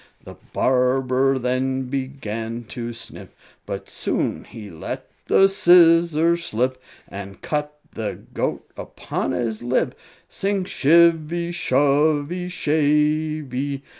The barber then began to snip, But soon he let the scissors slip, And cut the goat upon his lip Sing shivvy, shovvy, shavey!